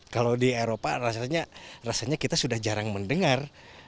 kalau di eropa rasanya kita sudah jarang mendengar